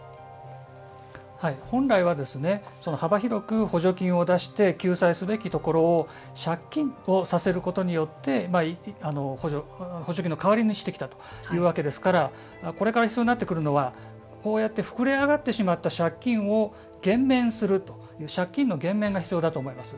本来は幅広く補助金を出して救済すべきところを借金をさせることによって補助金の代わりをしてきたというわけですからこれから必要になってくるのはこうやって膨れ上がってしまった借金を減免するという借金の減免が必要だと思います。